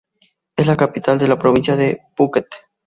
Es la capital de la Provincia de Phuket.